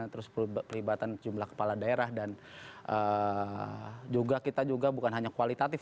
terus perlibatan jumlah kepala daerah dan juga kita juga bukan hanya kualitatif